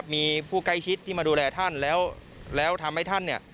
มีผู้ใกล้ชิดที่มาดูแลท่านแล้วทำให้ท่านเนี่ย